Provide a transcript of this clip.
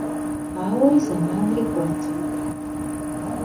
Auere zemanri k'uert.